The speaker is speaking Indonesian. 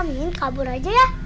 minta kabur aja ya